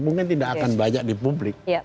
mungkin tidak akan banyak di publik